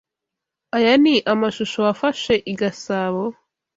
Aya ni amashusho wafashe i Gasabo?